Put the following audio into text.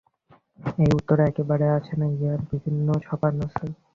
এই উত্তরও একেবারে আসে নাই, ইহারও বিভিন্ন সোপান আছে।